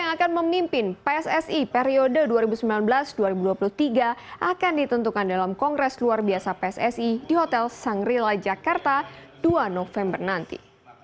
yang akan memimpin pssi periode dua ribu sembilan belas dua ribu dua puluh tiga akan ditentukan dalam kongres luar biasa pssi di hotel sangrila jakarta dua november nanti